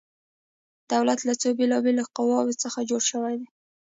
دولت له څو بیلا بیلو قواو جوړ شوی دی؟